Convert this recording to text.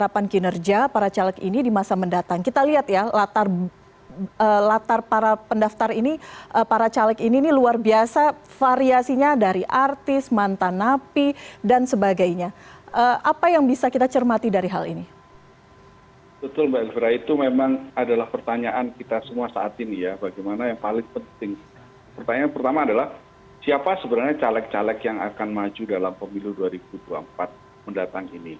pertanyaan pertama adalah siapa sebenarnya caleg caleg yang akan maju dalam pemilu dua ribu dua puluh empat mendatang ini